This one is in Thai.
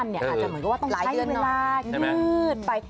อาจจะเหมือนว่าต้องใช้เวลายืดไป